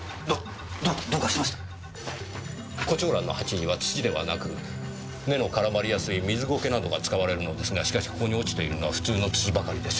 胡蝶蘭の鉢には土ではなく根の絡まりやすい水苔などが使われるのですがしかしここに落ちているのは普通の土ばかりです。